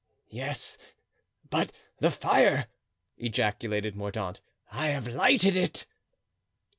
"Yes, but the fire," ejaculated Mordaunt; "I have lighted it."